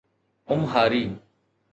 امهاري